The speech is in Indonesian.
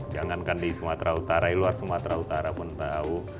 jangankan di sumatera utara di luar sumatera utara pun tahu